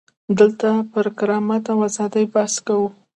دلته پر کرامت او ازادۍ بحث کوو.